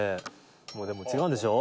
もうでも違うんでしょう？